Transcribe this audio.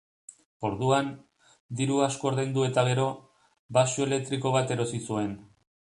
Orduan, diru asko ordaindu eta gero, baxu-elektriko bat erosi zuen.